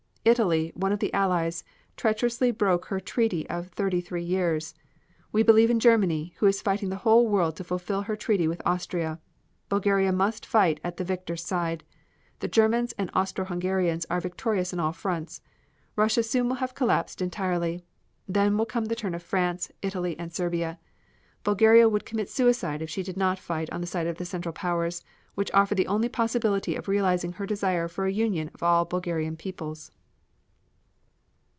Italy, one of the Allies, treacherously broke her treaty of thirty three years. We believe in Germany, which is fighting the whole world to fulfill her treaty with Austria. Bulgaria must fight at the victor's side. The Germans and Austro Hungarians are victorious on all fronts. Russia soon will have collapsed entirely. Then will come the turn of France, Italy and Serbia. Bulgaria would commit suicide if she did not fight on the side of the Central Powers, which offer the only possibility of realizing her desire for a union of all Bulgarian peoples.